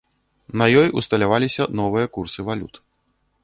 На ёй усталяваліся новыя курсы валют.